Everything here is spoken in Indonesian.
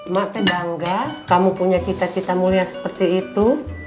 maka bangga kamu punya cita cita mulia seperti itu